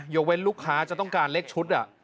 เว้นลูกค้าจะต้องการเลขชุด